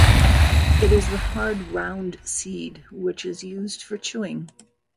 It is the hard round seed which is used for chewing.